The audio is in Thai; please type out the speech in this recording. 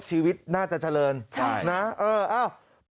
ชีวิตน่าจะเจริญนะเออเอ้าใช่